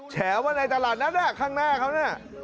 แฉว่าในตลาดนัดข้างหน้าเขาน่ะ